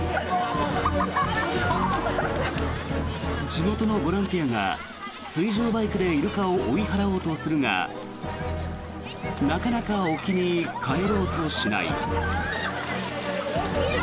地元のボランティアが水上バイクでイルカを追い払おうとするがなかなか沖に帰ろうとしない。